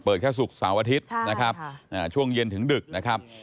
เปิดแค่ศุกร์สาวอาทิตย์ช่วงเย็นถึงดึกนะครับ